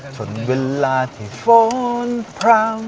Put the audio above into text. จดสนเวลาที่โฟนพร้าว